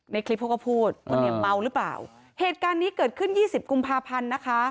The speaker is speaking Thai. ในคลิปพวกเขาพูดคนเนี่ยเมาหรือเปล่าเหตุการณ์นี้เกิดขึ้น๒๐กุมภาพันธุ์นะคะ